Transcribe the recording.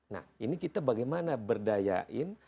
nah ini kita bagaimana berdayain